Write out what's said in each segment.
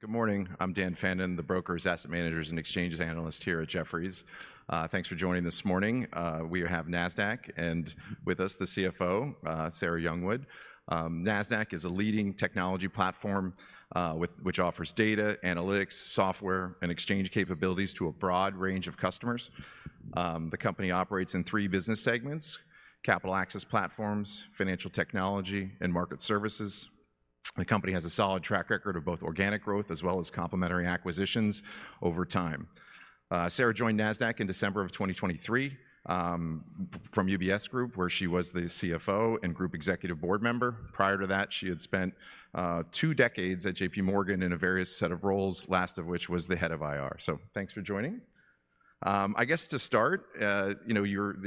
Good morning. I'm Dan Fannon, the Brokers, Asset Managers, and Exchanges Analyst here at Jefferies. Thanks for joining this morning. We have Nasdaq and with us the CFO, Sarah Youngwood. Nasdaq is a leading technology platform which offers data, analytics, software, and exchange capabilities to a broad range of customers. The company operates in three business segments: Capital Access Platforms, Financial Technology, and Market Services. The company has a solid track record of both organic growth as well as complementary acquisitions over time. Sarah joined Nasdaq in December of 2023 from UBS Group, where she was the CFO and Group Executive Board member. Prior to that, she had spent two decades at JPMorgan in a variety of roles, the last of which was the head of IR. Thanks for joining. I guess to start, the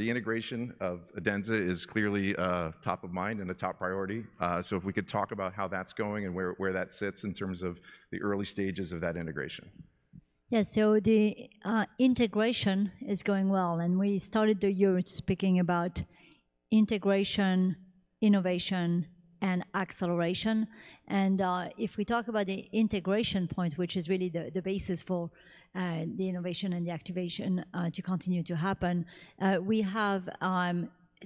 integration of Adenza is clearly top of mind and a top priority. If we could talk about how that's going and where that sits in terms of the early stages of that integration. Yeah, so the integration is going well. We started the year speaking about integration, innovation, and acceleration. If we talk about the integration point, which is really the basis for the innovation and the activation to continue to happen, we have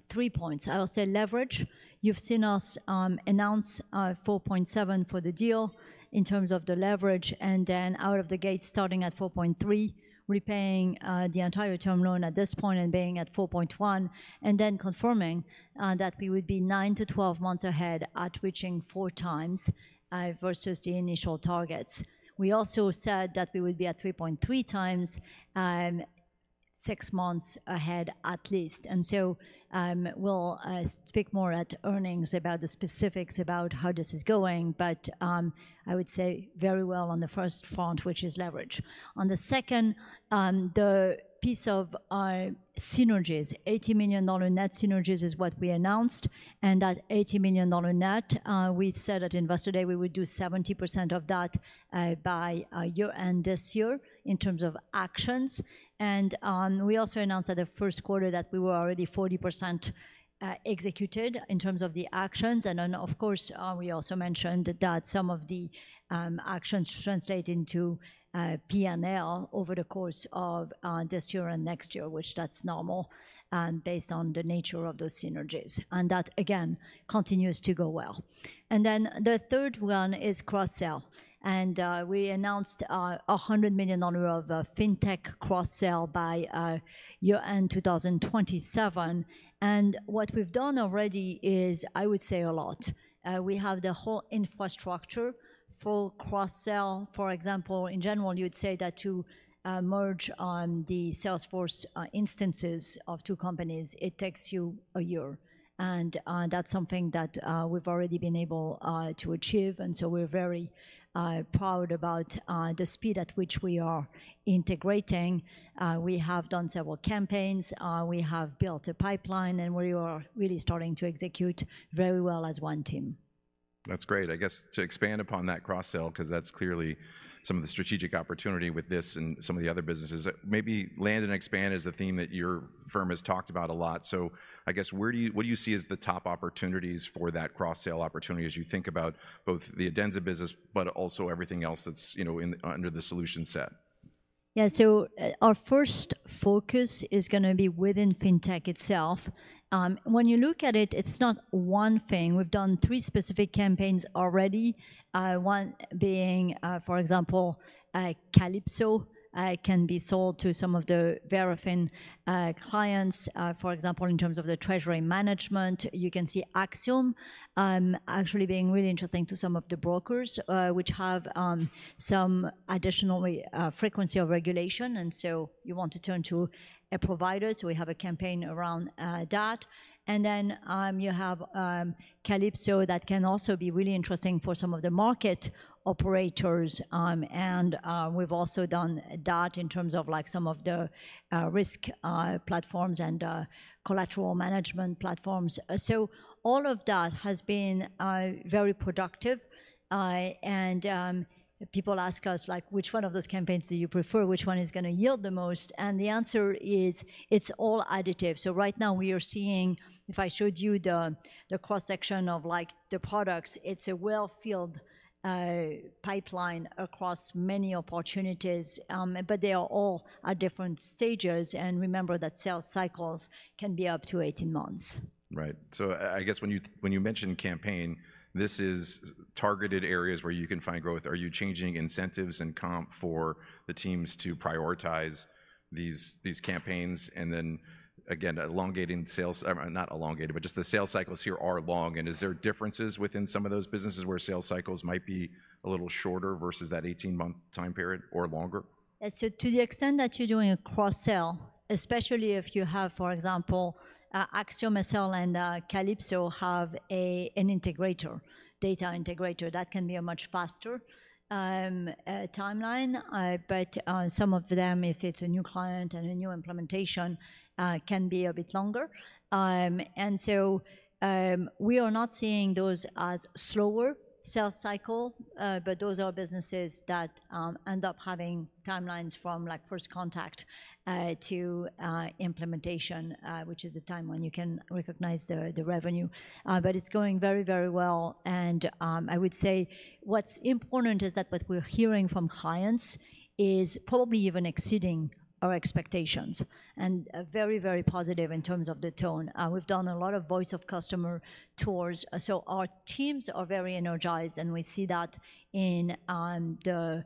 three points. I'll say leverage. You've seen us announce 4.7 for the deal in terms of the leverage, and then out of the gate, starting at 4.3, repaying the entire term loan at this point and being at 4.1, and then confirming that we would be 9-12 months ahead at reaching 4x versus the initial targets. We also said that we would be at 3.3x 6 months ahead at least. So we'll speak more at earnings about the specifics about how this is going, but I would say very well on the first front, which is leverage. On the second, the piece of synergies, $80 million net synergies is what we announced. And that $80 million net, we said at Investor Day we would do 70% of that by year-end this year in terms of actions. And we also announced that the first quarter that we were already 40% executed in terms of the actions. And then, of course, we also mentioned that some of the actions translate into P&L over the course of this year and next year, which that's normal based on the nature of those synergies. And that, again, continues to go well. And then the third one is cross-sell. And we announced $100 million of fintech cross-sell by year-end 2027. And what we've done already is, I would say, a lot. We have the whole infrastructure for cross-sell. For example, in general, you would say that to merge the Salesforce instances of two companies, it takes you a year. That's something that we've already been able to achieve. So we're very proud about the speed at which we are integrating. We have done several campaigns. We have built a pipeline, and we are really starting to execute very well as one team. That's great. I guess to expand upon that cross-sell, because that's clearly some of the strategic opportunity with this and some of the other businesses, maybe land and expand is the theme that your firm has talked about a lot. So I guess what do you see as the top opportunities for that cross-sell opportunity as you think about both the Adenza business, but also everything else that's under the solution set? Yeah, so our first focus is going to be within fintech itself. When you look at it, it's not one thing. We've done three specific campaigns already, one being, for example, Calypso can be sold to some of the Verafin clients. For example, in terms of the treasury management, you can see AxiomSL actually being really interesting to some of the brokers, which have some additional frequency of regulation. And so you want to turn to a provider. So we have a campaign around that. And then you have Calypso that can also be really interesting for some of the market operators. And we've also done that in terms of some of the risk platforms and collateral management platforms. So all of that has been very productive. And people ask us, which one of those campaigns do you prefer? Which one is going to yield the most? The answer is it's all additive. So right now we are seeing, if I showed you the cross-section of the products, it's a well-filled pipeline across many opportunities, but they are all at different stages. Remember that sales cycles can be up to 18 months. Right. So I guess when you mention campaign, this is targeted areas where you can find growth. Are you changing incentives and comp for the teams to prioritize these campaigns? And then, again, elongating sales, not elongated, but just the sales cycles here are long. And is there differences within some of those businesses where sales cycles might be a little shorter versus that 18-month time period or longer? Yeah, so to the extent that you're doing a cross-sell, especially if you have, for example, AxiomSL and Calypso have an integrator, data integrator, that can be a much faster timeline. But some of them, if it's a new client and a new implementation, can be a bit longer. And so we are not seeing those as slower sales cycle, but those are businesses that end up having timelines from first contact to implementation, which is the time when you can recognize the revenue. But it's going very, very well. And I would say what's important is that what we're hearing from clients is probably even exceeding our expectations and very, very positive in terms of the tone. We've done a lot of voice of customer tours. So our teams are very energized, and we see that in the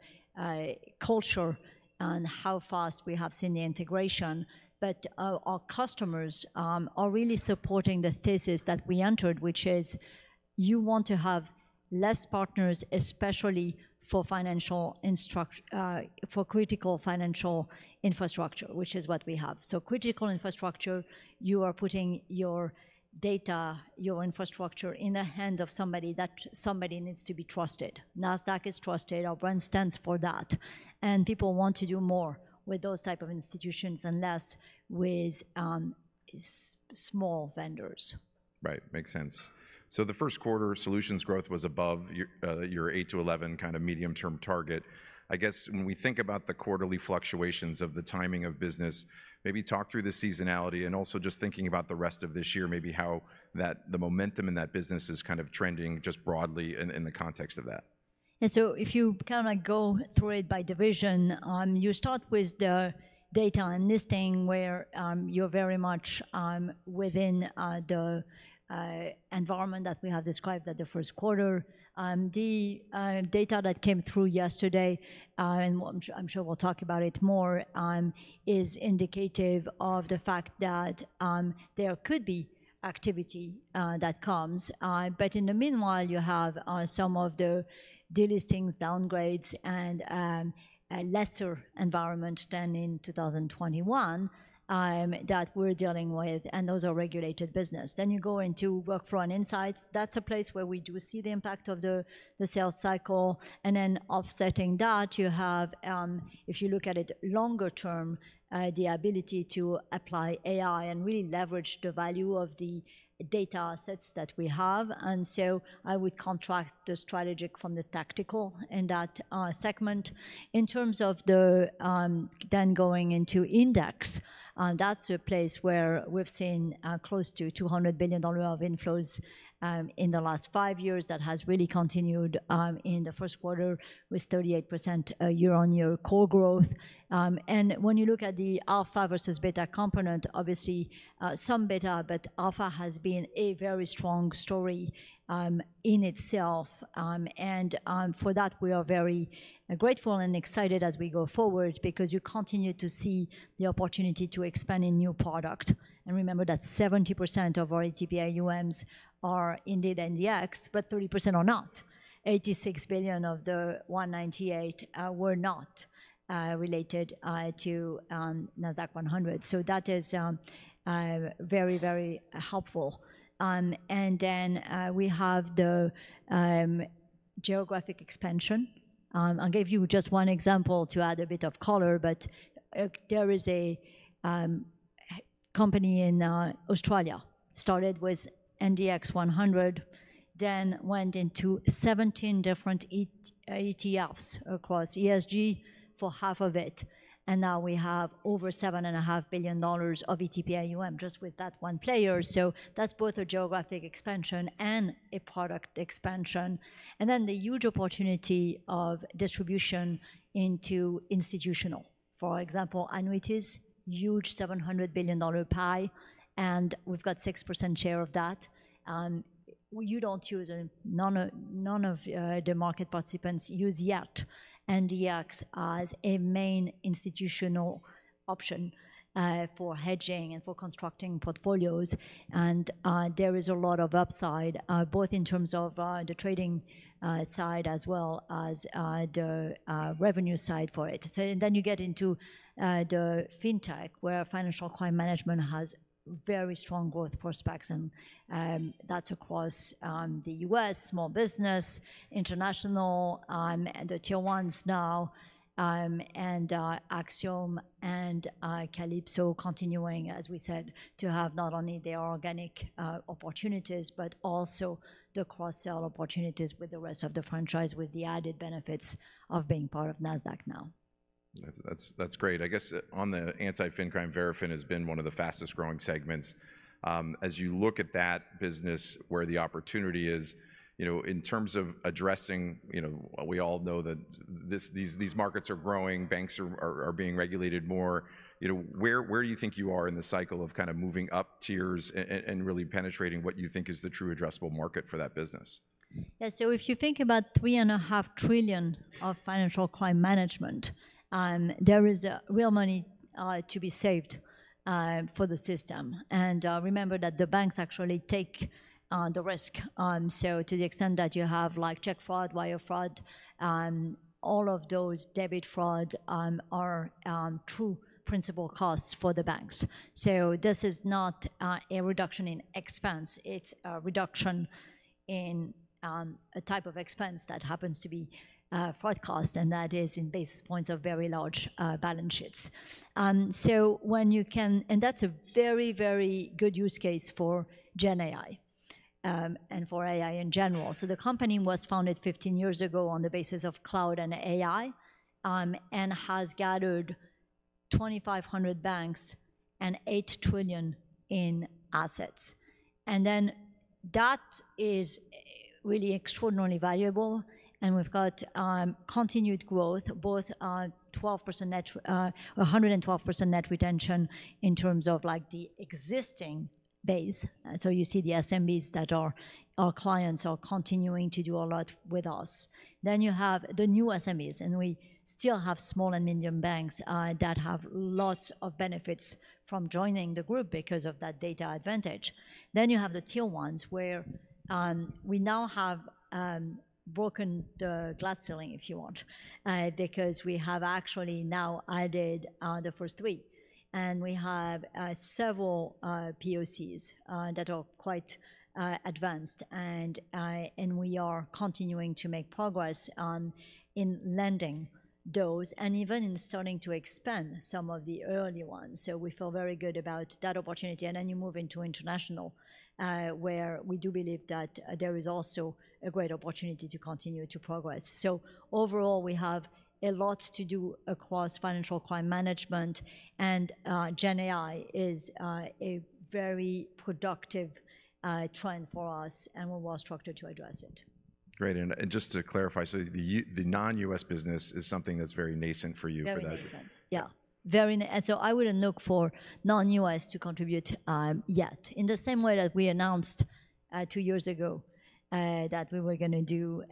culture and how fast we have seen the integration. But our customers are really supporting the thesis that we entered, which is you want to have less partners, especially for critical financial infrastructure, which is what we have. So critical infrastructure, you are putting your data, your infrastructure in the hands of somebody that somebody needs to be trusted. Nasdaq is trusted. Our brand stands for that. People want to do more with those types of institutions and less with small vendors. Right. Makes sense. So the first quarter Solutions growth was above your 8-11 kind of medium-term target. I guess when we think about the quarterly fluctuations of the timing of business, maybe talk through the seasonality and also just thinking about the rest of this year, maybe how the momentum in that business is kind of trending just broadly in the context of that. And so if you kind of go through it by division, you start with the Data & Listings where you're very much within the environment that we have described at the first quarter. The data that came through yesterday, and I'm sure we'll talk about it more, is indicative of the fact that there could be activity that comes. But in the meanwhile, you have some of the delistings, downgrades, and lesser environment than in 2021 that we're dealing with, and those are regulated business. Then you go into Workflow and Insights. That's a place where we do see the impact of the sales cycle. And then offsetting that, you have, if you look at it longer term, the ability to apply AI and really leverage the value of the data sets that we have. And so I would contrast the strategic from the tactical in that segment. In terms of the Index, that's a place where we've seen close to $200 billion of inflows in the last five years that has really continued in the first quarter with 38% year-on-year core growth. When you look at the alpha versus beta component, obviously some beta, but alpha has been a very strong story in itself. For that, we are very grateful and excited as we go forward because you continue to see the opportunity to expand a new product. Remember that 70% of our ETP AUMs are indeed NDX, but 30% are not. $86 billion of the $198 billion were not related to Nasdaq-100. So that is very, very helpful. Then we have the geographic expansion. I'll give you just one example to add a bit of color, but there is a company in Australia started with NDX 100, then went into 17 different ETFs across ESG for half of it. And now we have over $7.5 billion of ETFs just with that one player. So that's both a geographic expansion and a product expansion. And then the huge opportunity of distribution into institutional. For example, annuities, huge $700 billion pie, and we've got 6% share of that. None of the market participants use yet NDX as a main institutional option for hedging and for constructing portfolios. And there is a lot of upside, both in terms of the trading side as well as the revenue side for it. So then you get into the fintech where financial crime management has very strong growth prospects. And that's across the U.S., small business, international, the tier ones now, and Axiom and Calypso continuing, as we said, to have not only their organic opportunities, but also the cross-sell opportunities with the rest of the franchise with the added benefits of being part of Nasdaq now. That's great. I guess on the anti-financial crime, Verafin has been one of the fastest growing segments. As you look at that business where the opportunity is, in terms of addressing, we all know that these markets are growing, banks are being regulated more. Where do you think you are in the cycle of kind of moving up tiers and really penetrating what you think is the true addressable market for that business? Yeah, so if you think about $3.5 trillion of financial crime management, there is real money to be saved for the system. And remember that the banks actually take the risk. So to the extent that you have check fraud, wire fraud, all of those debit fraud are true principal costs for the banks. So this is not a reduction in expense. It's a reduction in a type of expense that happens to be fraud costs, and that is in basis points of very large balance sheets. So when you can, and that's a very, very good use case for GenAI and for AI in general. So the company was founded 15 years ago on the basis of cloud and AI and has gathered 2,500 banks and $8 trillion in assets. And then that is really extraordinarily valuable. And we've got continued growth, both 112% net retention in terms of the existing base. So you see the SMBs that are our clients are continuing to do a lot with us. Then you have the new SMBs, and we still have small and medium banks that have lots of benefits from joining the group because of that data advantage. Then you have the tier ones where we now have broken the glass ceiling, if you want, because we have actually now added the first three. And we have several POCs that are quite advanced. And we are continuing to make progress in lending those and even in starting to expand some of the early ones. So we feel very good about that opportunity. And then you move into international where we do believe that there is also a great opportunity to continue to progress. Overall, we have a lot to do across financial crime management. GenAI is a very productive trend for us, and we're well structured to address it. Great. Just to clarify, so the non-U.S. business is something that's very nascent for you for that. Yeah, very nascent. Yeah, very nascent. So I wouldn't look for non-U.S. to contribute yet in the same way that we announced two years ago that we were going to do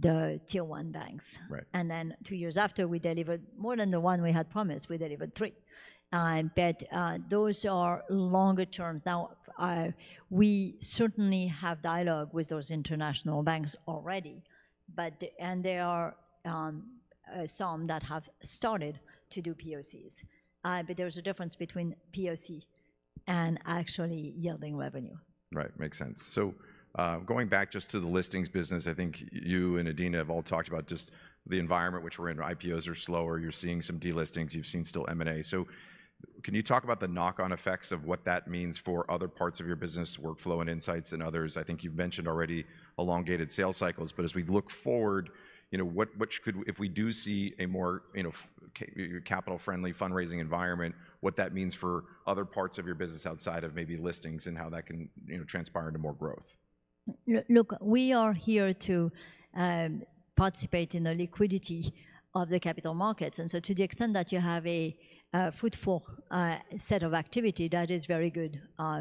the tier one banks. And then two years after, we delivered more than the one we had promised. We delivered three. But those are longer terms. Now, we certainly have dialogue with those international banks already, and there are some that have started to do POCs. But there's a difference between POC and actually yielding revenue. Right. Makes sense. So going back just to the listings business, I think you and Adena have all talked about just the environment, which we're in. IPOs are slower. You're seeing some de-listings. You've seen still M&A. So can you talk about the knock-on effects of what that means for other parts of your business, Workflow and Insights and others? I think you've mentioned already elongated sales cycles. But as we look forward, if we do see a more capital-friendly fundraising environment, what that means for other parts of your business outside of maybe listings and how that can transpire into more growth? Look, we are here to participate in the liquidity of the capital markets. And so to the extent that you have a fruitful set of activity, that is very good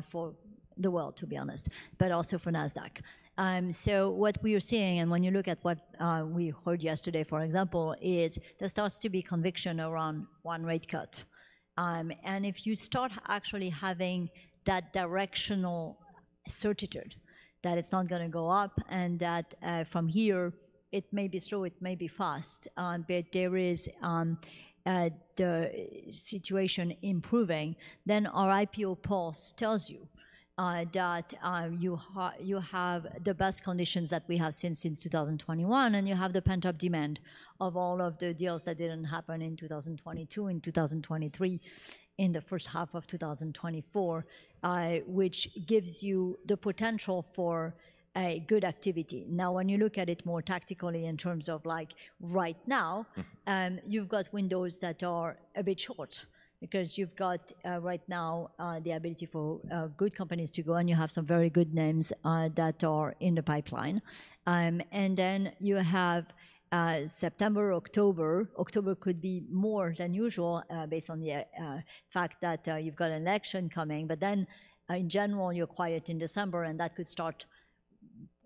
for the world, to be honest, but also for Nasdaq. So what we are seeing, and when you look at what we heard yesterday, for example, is there starts to be conviction around one rate cut. And if you start actually having that directional certitude that it's not going to go up and that from here it may be slow, it may be fast, but there is the situation improving, then our IPO Pulse tells you that you have the best conditions that we have seen since 2021, and you have the pent-up demand of all of the deals that didn't happen in 2022, in 2023, in the first half of 2024, which gives you the potential for good activity. Now, when you look at it more tactically in terms of right now, you've got windows that are a bit short because you've got right now the ability for good companies to go, and you have some very good names that are in the pipeline. And then you have September, October. October could be more than usual based on the fact that you've got an election coming. But then in general, you're quiet in December, and that could start,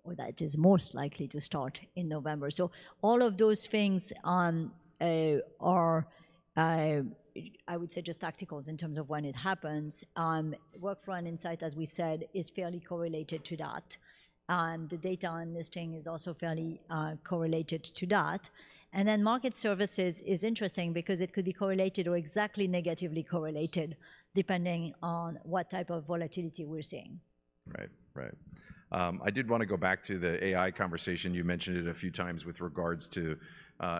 or that is most likely to start in November. So all of those things are, I would say, just tacticals in terms of when it happens. Workflow and Insights, as we said, is fairly correlated to that. The Data & Listings is also fairly correlated to that. And then Market Services is interesting because it could be correlated or exactly negatively correlated depending on what type of volatility we're seeing. Right, right. I did want to go back to the AI conversation. You mentioned it a few times with regards to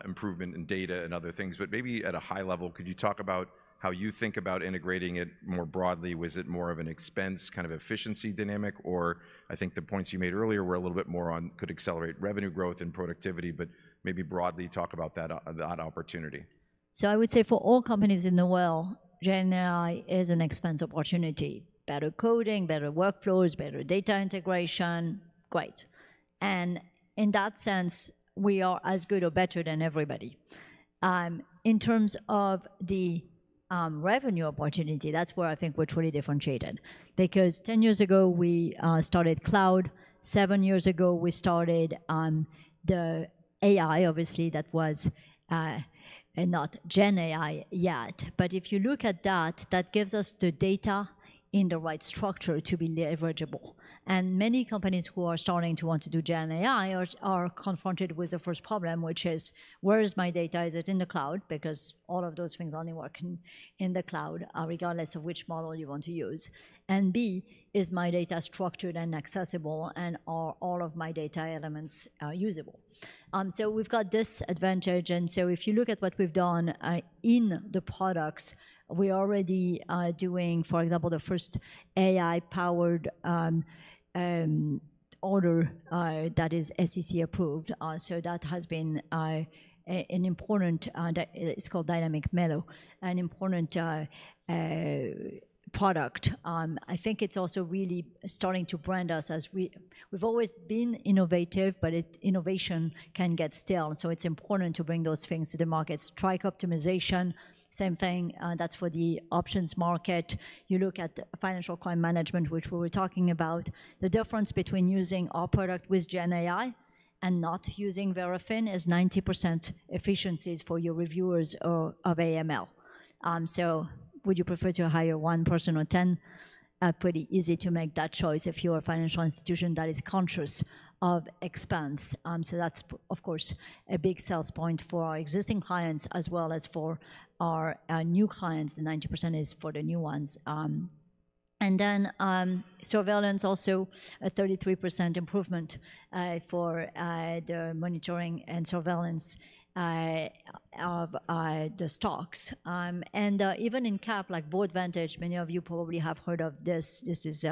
improvement in data and other things. But maybe at a high level, could you talk about how you think about integrating it more broadly? Was it more of an expense kind of efficiency dynamic? Or I think the points you made earlier were a little bit more on could accelerate revenue growth and productivity, but maybe broadly talk about that opportunity. I would say for all companies in the world, GenAI is an expense opportunity. Better coding, better workflows, better data integration, great. In that sense, we are as good or better than everybody. In terms of the revenue opportunity, that's where I think we're truly differentiated. Because 10 years ago, we started cloud. 7 years ago, we started the AI, obviously, that was not GenAI yet. If you look at that, that gives us the data in the right structure to be leverageable. Many companies who are starting to want to do GenAI are confronted with the first problem, which is, where is my data? Is it in the cloud? Because all of those things only work in the cloud, regardless of which model you want to use. B, is my data structured and accessible, and are all of my data elements usable? So we've got this advantage. And so if you look at what we've done in the products, we're already doing, for example, the first AI-powered order that is SEC approved. So that has been an important, it's called Dynamic M-ELO, an important product. I think it's also really starting to brand us as we've always been innovative, but innovation can get stale. So it's important to bring those things to the market. Strike optimization, same thing. That's for the options market. You look at financial crime management, which we were talking about. The difference between using our product with GenAI and not using Verafin is 90% efficiencies for your reviewers of AML. So would you prefer to hire one person or 10? Pretty easy to make that choice if you're a financial institution that is conscious of expense. So that's, of course, a big sales point for our existing clients as well as for our new clients. The 90% is for the new ones. And then surveillance, also a 33% improvement for the monitoring and surveillance of the stocks. And even in CAP, like Boardvantage, many of you probably have heard of this. This is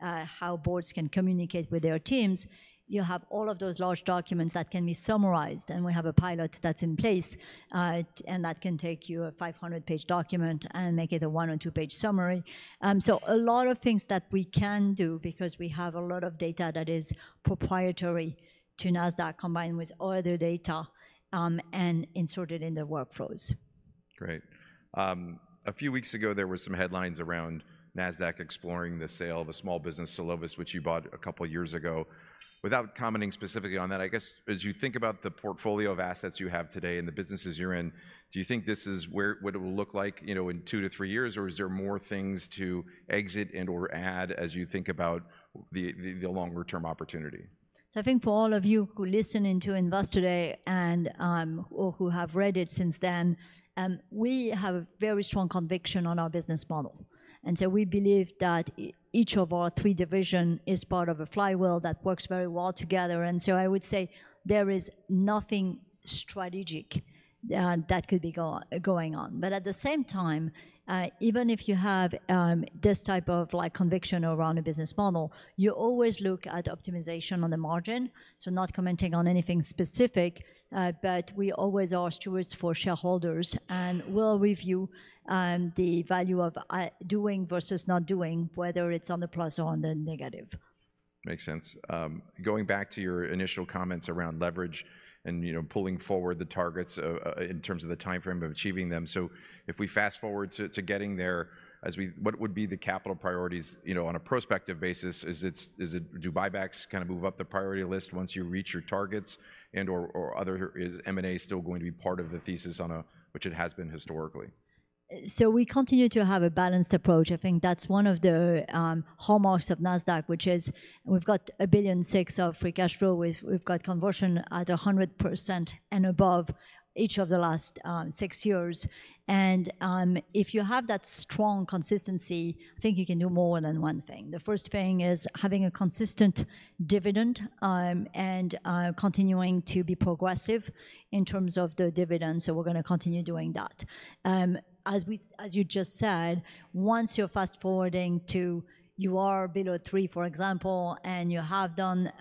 how boards can communicate with their teams. You have all of those large documents that can be summarized. And we have a pilot that's in place, and that can take you a 500-page document and make it a one- or two-page summary. So a lot of things that we can do because we have a lot of data that is proprietary to Nasdaq combined with all the data and inserted in the workflows. Great. A few weeks ago, there were some headlines around Nasdaq exploring the sale of a small business, Solovis, which you bought a couple of years ago. Without commenting specifically on that, I guess, as you think about the portfolio of assets you have today and the businesses you're in, do you think this is what it will look like in two to three years, or is there more things to exit and/or add as you think about the longer-term opportunity? I think for all of you who listen in to Investor Day and who have read it since then, we have a very strong conviction on our business model. We believe that each of our three divisions is part of a flywheel that works very well together. I would say there is nothing strategic that could be going on. At the same time, even if you have this type of conviction around a business model, you always look at optimization on the margin. Not commenting on anything specific, but we always are stewards for shareholders and will review the value of doing versus not doing, whether it's on the plus or on the negative. Makes sense. Going back to your initial comments around leverage and pulling forward the targets in terms of the timeframe of achieving them. So if we fast forward to getting there, what would be the capital priorities on a prospective basis? Do buybacks kind of move up the priority list once you reach your targets? And/or is M&A still going to be part of the thesis on which it has been historically? So we continue to have a balanced approach. I think that's one of the hallmarks of Nasdaq, which is we've got $1.6 billion of free cash flow. We've got conversion at 100% and above each of the last 6 years. And if you have that strong consistency, I think you can do more than one thing. The first thing is having a consistent dividend and continuing to be progressive in terms of the dividend. So we're going to continue doing that. As you just said, once you're fast forwarding to you are below 3, for example, and you have done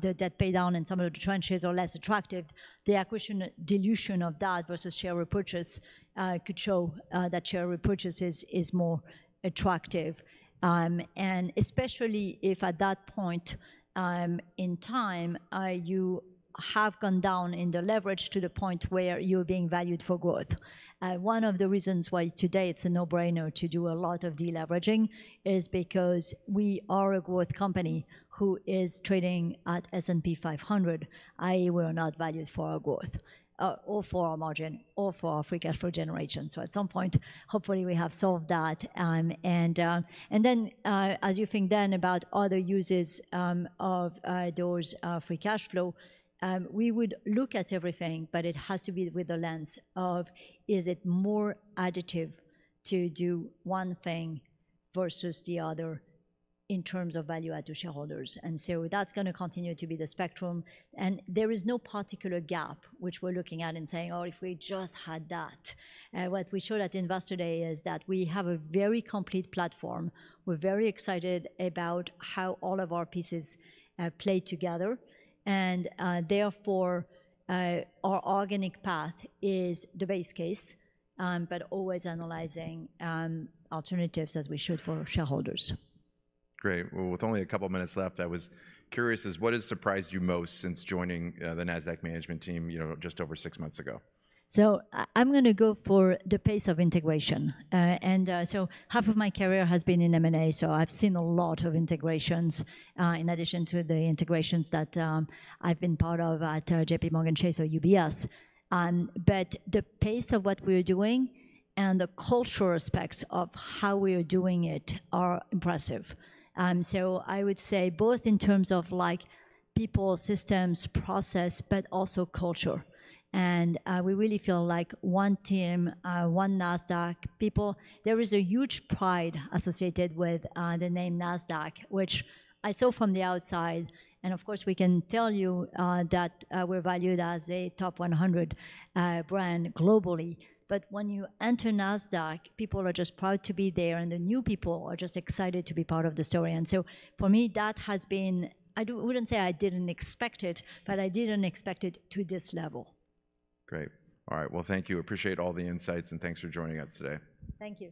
the debt paydown and some of the tranches are less attractive, the acquisition dilution of that versus share repurchase could show that share repurchase is more attractive. Especially if at that point in time, you have gone down in the leverage to the point where you're being valued for growth. One of the reasons why today it's a no-brainer to do a lot of deleveraging is because we are a growth company who is trading at S&P 500. We're not valued for our growth or for our margin or for our free cash flow generation. So at some point, hopefully, we have solved that. And then as you think then about other uses of those free cash flow, we would look at everything, but it has to be with the lens of is it more additive to do one thing versus the other in terms of value add to shareholders. And so that's going to continue to be the spectrum. There is no particular gap which we're looking at and saying, oh, if we just had that. What we showed at Investor Day is that we have a very complete platform. We're very excited about how all of our pieces play together. Therefore, our organic path is the base case, but always analyzing alternatives as we should for shareholders. Great. Well, with only a couple of minutes left, I was curious, what has surprised you most since joining the Nasdaq management team just over six months ago? So I'm going to go for the pace of integration. And so half of my career has been in M&A, so I've seen a lot of integrations in addition to the integrations that I've been part of at JPMorgan Chase or UBS. But the pace of what we're doing and the cultural aspects of how we are doing it are impressive. So I would say both in terms of people, systems, process, but also culture. And we really feel like one team, one Nasdaq people, there is a huge pride associated with the name Nasdaq, which I saw from the outside. And of course, we can tell you that we're valued as a top 100 brand globally. But when you enter Nasdaq, people are just proud to be there, and the new people are just excited to be part of the story. And so for me, that has been, I wouldn't say I didn't expect it, but I didn't expect it to this level. Great. All right. Well, thank you. Appreciate all the insights, and thanks for joining us today. Thank you.